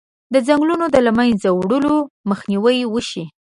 د ځنګلونو د له منځه وړلو مخنیوی وشي.